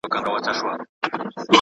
د دولت لګښتونه غير مؤلد مه ګڼئ.